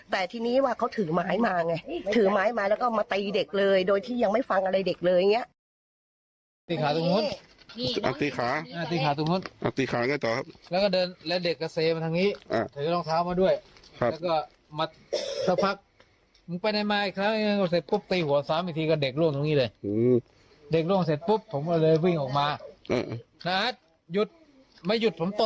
แต่ทีนี้ว่าเขาถือไม้มาไงถือไม้มาแล้วก็มาตีเด็กเลยโดยที่ยังไม่ฟังอะไรเด็กเลยอย่างนี้